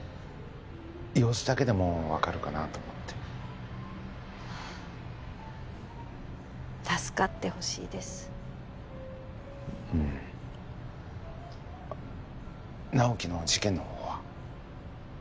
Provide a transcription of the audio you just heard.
様子だけでも分かるかなと思って助かってほしいですうん直木の事件のほうは？